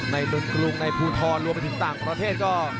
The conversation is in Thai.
ดนกรุงในภูทรรวมไปถึงต่างประเทศก็